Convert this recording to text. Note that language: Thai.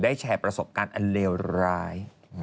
แชร์ประสบการณ์อันเลวร้าย